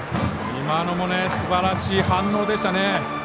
今のもすばらしい反応でしたね。